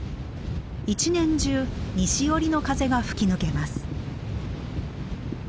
一年中西よりの風が吹き抜けます。